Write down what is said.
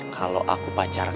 kalo aku pacar kamu